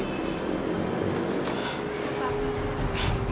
gak apa apa sak